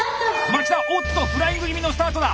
町田おっとフライング気味のスタートだ！